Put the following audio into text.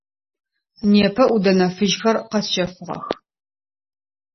Непэ ӏудэнэ фыжьхэр къэсщэфыгъэх.